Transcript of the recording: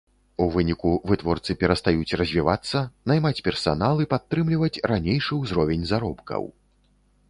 У выніку вытворцы перастаюць развівацца, наймаць персанал і падтрымліваць ранейшы ўзровень заробкаў.